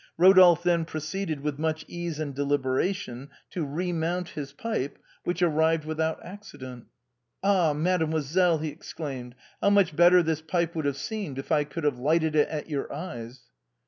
Eodolphe then proceeded, with much care and deliberation, to re mount his pipe, which arrived without accident. " Ah, mademoiselle !" he ex claimed, " how much better this pipe would have seemed, if I could have lighted it at your eyes